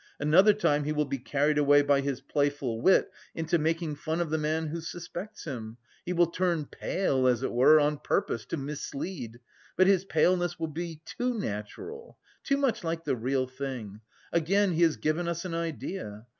Another time he will be carried away by his playful wit into making fun of the man who suspects him, he will turn pale as it were on purpose to mislead, but his paleness will be too natural, too much like the real thing, again he has given us an idea!